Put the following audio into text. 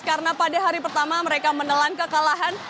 karena pada hari pertama mereka menelan kekalahan